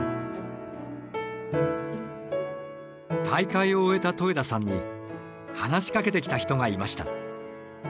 大会を終えた戸枝さんに話しかけてきた人がいました。